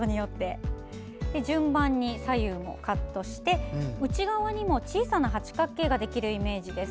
順番に左右もカットして内側にも小さな八角形ができるイメージです。